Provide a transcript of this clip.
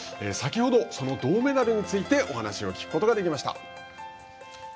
先ほど、その銅メダルについてお話を聞くことができました。